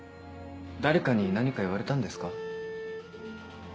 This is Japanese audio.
誰かに何か言われたんですか？